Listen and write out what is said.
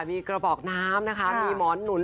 มีกระบอกน้ำนะคะมีหมอนหนุน